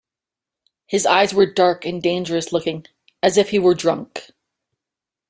His eyes were dark and dangerous-looking, as if he were drunk.